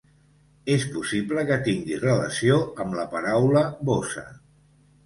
És possible que tingui relació amb la paraula "bossa".